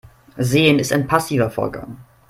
Sehen ist ein passiver Vorgang.